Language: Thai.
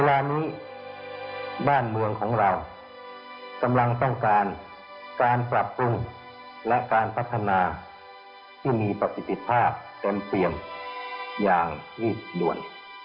เวลานี้บ้านเมืองของเรากำลังต้องการการปรับปรุงและการพัฒนาที่มีประสิทธิภาพเต็มเปี่ยมอย่างที่ด่วน